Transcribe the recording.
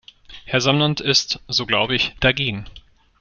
Herr Samland ist, so glaube ich, dagegen.